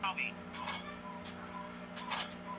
آيا انسان له خپل وسع څخه لوړ مسؤليت لري؟